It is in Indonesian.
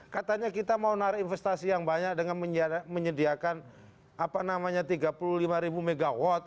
katanya kita mau narik investasi yang banyak dengan menyediakan tiga puluh lima ribu megawatt